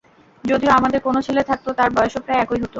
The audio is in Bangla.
যদি আমাদের কোনও ছেলে থাকত, তার বয়সও প্রায় একই হতো।